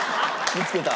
見つけた。